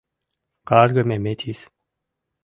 — Каргыме метис!..